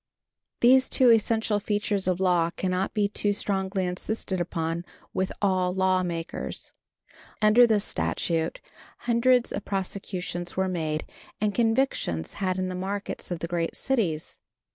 These two essential features of law cannot be too strongly insisted upon with all lawmakers. Under this statute hundreds of prosecutions were made and convictions had in the markets of the great cities.